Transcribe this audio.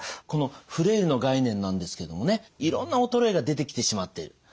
このフレイルの概念なんですけどもねいろんな衰えが出てきてしまっている。